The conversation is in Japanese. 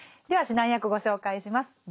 では指南役ご紹介します。